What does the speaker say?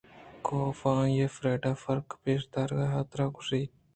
کافءَ آئی ءُفریڈاءِ فرقءِ پیش دارگ ءِ حاترا گوٛشت